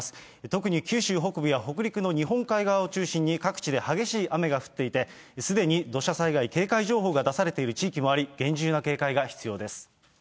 特に九州北部や北陸の日本海側を中心に、各地で激しい雨が降っていて、すでに土砂災害警戒情報が出されている地域もあり、厳重な警戒が必要です。